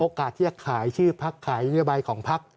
โอกาสที่จะขายชื่อภักษ์ขายภักษ์ของภักษ์